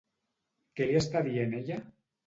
Què li està dient ella?